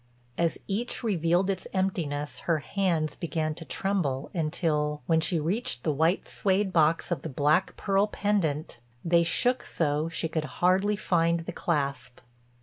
As each revealed its emptiness her hands began to tremble until, when she reached the white suède box of the black pearl pendant, they shook so she could hardly find the clasp.